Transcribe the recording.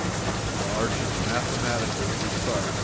The arch is mathematically precise.